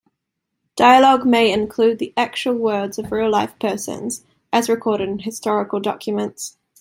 Dialogue may include the actual words of real-life persons, as recorded in historical documents.